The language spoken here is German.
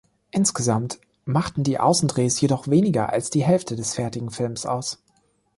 Insgesamt machten die Außendrehs jedoch weniger als die Hälfte des fertigen Films aus.